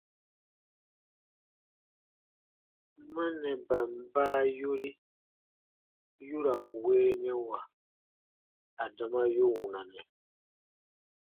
Mannɛban baa yori yu ra n weenɛwa adama yu wunanɛ.